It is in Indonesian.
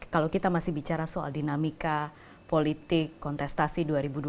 kalau kita masih bicara soal dinamika politik kontestasi dua ribu dua puluh